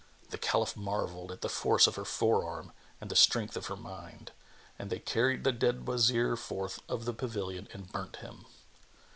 The Caliph marvelled at the force of her fore arm and the strength of her mind, and they carried the dead Wazir forth of the pavilion and burnt him.